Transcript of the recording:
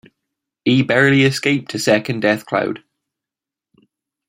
He barely escaped a second death cloud.